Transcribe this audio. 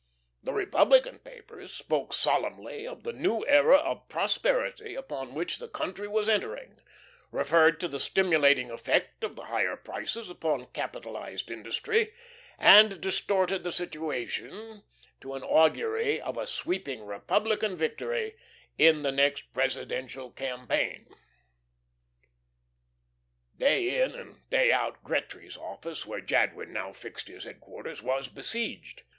The Republican papers spoke solemnly of the new era of prosperity upon which the country was entering, referred to the stimulating effect of the higher prices upon capitalised industry, and distorted the situation to an augury of a sweeping Republican victory in the next Presidential campaign. Day in and day out Gretry's office, where Jadwin now fixed his headquarters, was besieged.